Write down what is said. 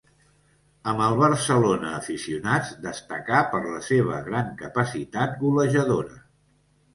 Amb el Barcelona Aficionats destacà per la seva gran capacitat golejadora.